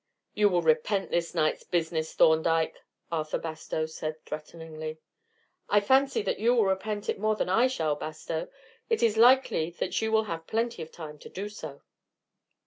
"You will repent this night's business, Thorndyke!" Arthur Bastow said threateningly. "I fancy that you will repent it more than I shall, Bastow; it is likely that you will have plenty of time to do so."